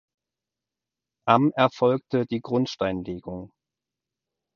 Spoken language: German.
Am erfolgte die Grundsteinlegung.